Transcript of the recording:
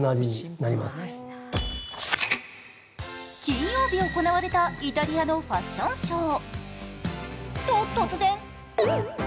金曜日、行われたイタリアのファッションショー。